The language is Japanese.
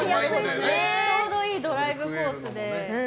ちょうどいいドライブコースで。